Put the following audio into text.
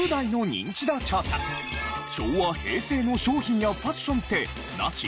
昭和・平成の商品やファッションってナシ？